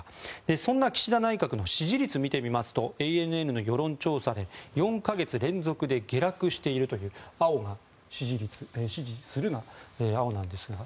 そんな岸田内閣の支持率を見てみますとＡＮＮの世論調査で４か月連続で下落しているという支持するが青なんですが。